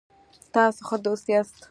تاسو ښه دوست یاست